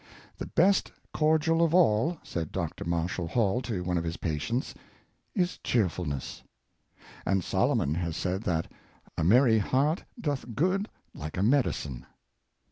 " The best cordial of all," said Dr. Marshall Hall to one of his patients, " is cheer fulness." And Solomon has said that " a merry heart doeth good like a medicine."